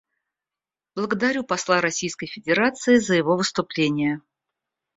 Благодарю посла Российской Федерации за его выступление.